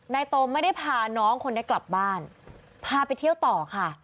โตไม่ได้พาน้องคนนี้กลับบ้านพาไปเที่ยวต่อค่ะ